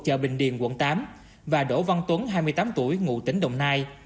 chợ bình điền quận tám và đỗ văn tuấn hai mươi tám tuổi ngụ tỉnh đồng nai